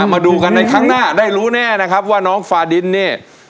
มาดูกันในครั้งหน้าได้รู้แน่นะครับว่าน้องฟาดินเนี่ย